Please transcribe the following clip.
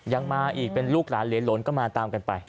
ยังมาอีกเป็นลูกหลานเหรนก็มาตามกันไป